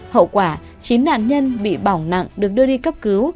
hậu quả chín nạn nhân bị bỏng nặng được đưa đi cấp cứu